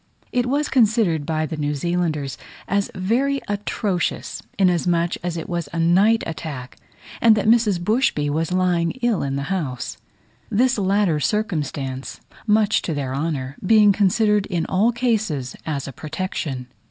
It was considered by the New Zealanders as very atrocious, inasmuch as it was a night attack, and that Mrs. Bushby was lying ill in the house: this latter circumstance, much to their honour, being considered in all cases as a protection.